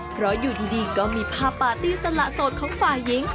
เพราะอยู่ดีก็มีภาพปาร์ตี้สละโสดของฝ่ายหญิง